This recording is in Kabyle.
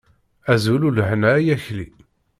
Azul ulehna ay Akli!